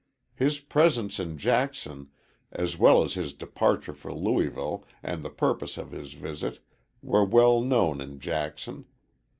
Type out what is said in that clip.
His presence in Jackson, as well as his departure for Louisville and the purposes of his visit, were well known in Jackson.